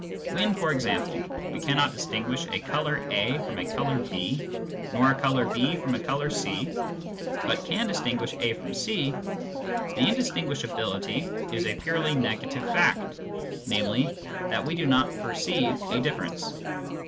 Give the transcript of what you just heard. When, for example, we cannot distinguish a colour A from a colour B, nor a colour B from a colour C, but can distinguish A from C, the indistinguishability is a purely negative fact, namely, that we do not perceive a diflFerence.